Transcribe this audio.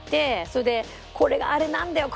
それでこれがあれなんだよ！